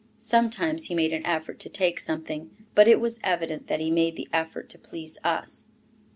Sometimes he made an effort to take something, but it was evident that he made the effort to please us.